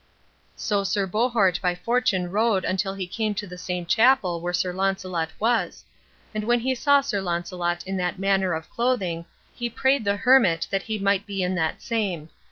So Sir Bohort by fortune rode until he came to the same chapel where Sir Launcelot was; and when he saw Sir Launcelot in that manner of clothing he, prayed the hermit that he might be in that same.